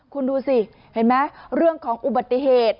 คุณดูสิเห็นไหมเรื่องของอุบัติเหตุ